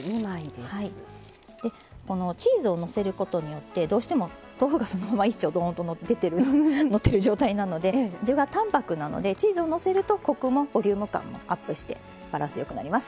このチーズをのせることによってどうしても豆腐がそのまま１丁ドーンとのってる状態なので味が淡泊なのでチーズをのせるとコクもボリューム感もアップしてバランスよくなります。